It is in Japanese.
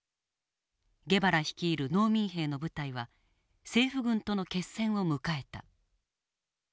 ゲバラ率いる農民兵の部隊は政府軍との決戦を迎えた。